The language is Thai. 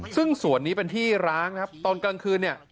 ซึ่งสวนนี้เป็นที่ร้านตอนกลางคืน